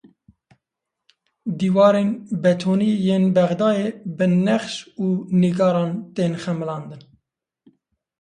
Dîwarên betonî yên Bexdayê bi nexş û nîgaran tên xemilandin.